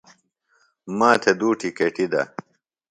ما تھےۡ دُو ٹکیٹِیۡ دہ ـ